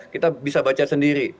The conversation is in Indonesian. kita bisa baca sendiri